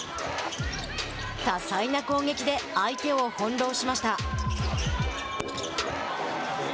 多彩な攻撃で相手を翻弄しました。